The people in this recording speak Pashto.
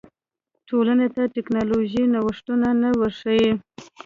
ټولنې ته ټکنالوژیکي نوښتونه نه وربښي.